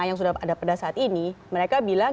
yang sudah ada pada saat ini mereka bilang